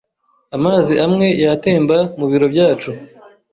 Amazi amwe yatemba mubiro byacu.